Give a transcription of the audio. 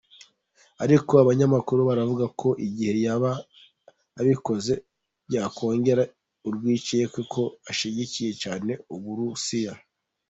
Ariko abanyamakuru baravuga ko igihe yaba abikoze, byakongera urwicyekwe ko ashyigikiye cyane Uburusiya.